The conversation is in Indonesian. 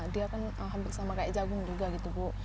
dia kan hampir sama kayak jagung juga gitu bu